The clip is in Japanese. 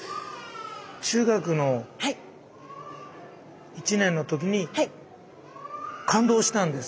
中学の１年の時に感動したんです。